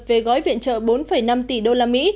về gói viện trợ bốn năm tỷ đô la mỹ